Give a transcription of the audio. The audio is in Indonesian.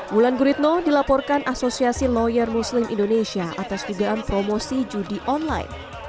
wulan guritno dilaporkan asosiasi lawyer muslim indonesia atas dugaan promosi judi online